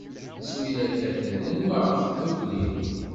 Ass mi la katen, nenwa ɣef tdukli.